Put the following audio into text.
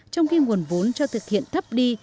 trong khi nguồn vốn cho thực hiện thấp đi